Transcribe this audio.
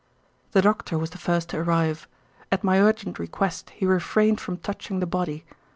"The doctor was the first to arrive. At my urgent request he refrained from touching the body.